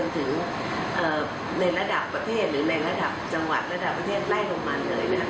ถึงในระดับประเทศหรือในระดับจังหวัดระดับประเทศไล่ลงมาเลยนะครับ